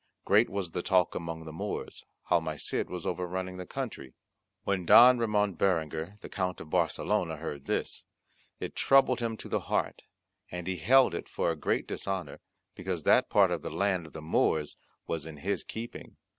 Great was the talk among the Moors; how my Cid was over running the country. When Don Ramon Berenguer the Count of Barcelona heard this, it troubled him to the heart, and he held it for a great dishonour, because that part of the land of the Moors was in his keeping.